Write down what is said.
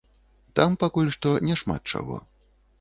Там, пакуль што, няшмат чаго.